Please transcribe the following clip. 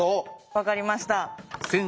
分かりました。